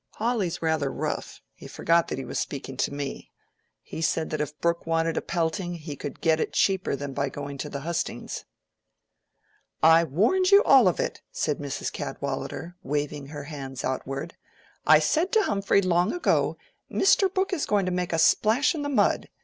Hawley's rather rough: he forgot that he was speaking to me. He said if Brooke wanted a pelting, he could get it cheaper than by going to the hustings." "I warned you all of it," said Mrs. Cadwallader, waving her hands outward. "I said to Humphrey long ago, Mr. Brooke is going to make a splash in the mud.